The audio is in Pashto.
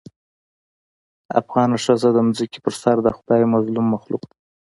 افغانه ښځه د ځمکې په سر دخدای مظلوم مخلوق دې